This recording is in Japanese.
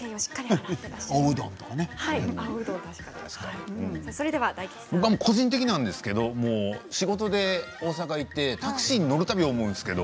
僕は個人的なんですけど仕事で大阪に行ってタクシーに乗るたびに思います。